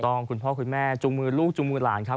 คุณพ่อคุณแม่จูงมือลูกจูงมือหลานครับ